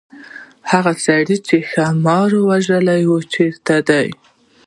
هغه سړی چې ښامار یې وژلی چيرته دی.